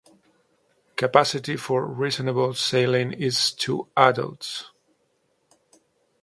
Capacity for reasonable sailing is two adults.